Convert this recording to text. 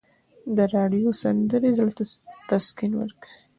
د راډیو سندرې زړه ته تسکین ورکوي.